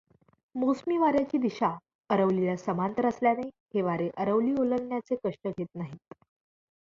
मोसमी वार् याची दिशा अरवलीला समांतर असल्याने हे वारे अरवली ओलांडण्याचे कष्ट घेत नाहीत.